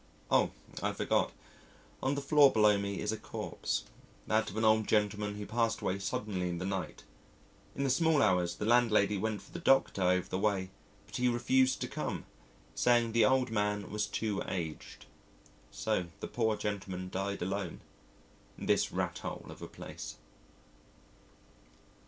Oh! I forgot on the floor below me is a corpse that of an old gentleman who passed away suddenly in the night. In the small hours, the landlady went for the Doctor over the way, but he refused to come, saying the old man was too aged. So the poor gentleman died alone in this rat hole of a place.